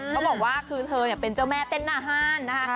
เขาบอกว่าคือเธอเป็นเจ้าแม่เต้นหน้าห้านนะคะ